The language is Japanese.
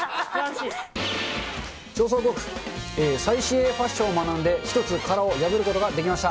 調査報告、最新鋭ファッションを学んで、１つ殻を破ることができました。